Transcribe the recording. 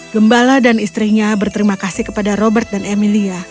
gembala dan istrinya berterima kasih kepada robert dan emilia